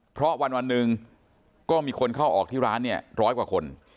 เพราะวันหนึ่งก็มีคนเข้าออกที่ร้านเนี่ยร้อยกว่าคน